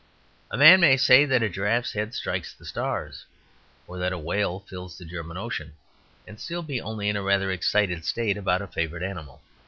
A man may say that a giraffe's head strikes the stars, or that a whale fills the German Ocean, and still be only in a rather excited state about a favourite animal.